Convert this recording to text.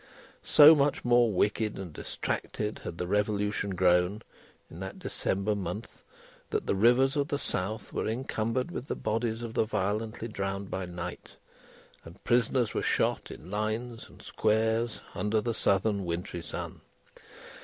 So much more wicked and distracted had the Revolution grown in that December month, that the rivers of the South were encumbered with the bodies of the violently drowned by night, and prisoners were shot in lines and squares under the southern wintry sun.